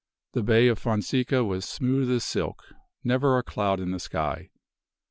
The Bay of Fonseca was smooth as silk; never a cloud in the sky.